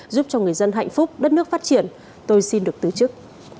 giúp cho người dân hạnh phúc đất nước phát triển tôi xin được tứ chức